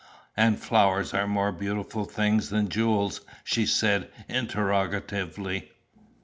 "And flowers are more beautiful things than jewels?' she said interrogatively.